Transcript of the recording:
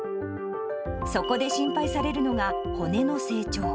そこで心配されるのが、骨の成長。